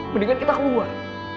mendingan kita keluar